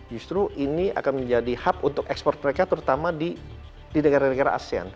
justru ini akan menjadi hub untuk ekspor mereka terutama di negara negara asean